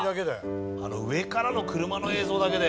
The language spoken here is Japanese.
あの上からの車の映像だけで。